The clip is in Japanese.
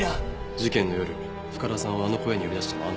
事件の夜深田さんをあの小屋に呼び出したのもあんたか？